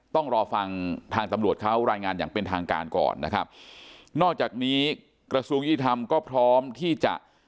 ต้องรอฟังทางตำรวจเขารายงานอย่างเป็นทางการก่อนนะครับนอกจากนี้กระทรวงยุติธรรมก็พร้อมที่จะ